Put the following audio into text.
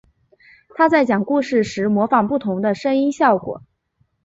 他在讲故事时模仿不同的声音效果。